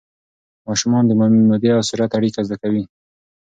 ماشومان د مودې او سرعت اړیکه زده کوي.